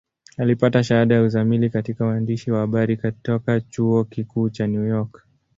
Alipata shahada ya uzamili katika uandishi wa habari kutoka Chuo Kikuu cha New York.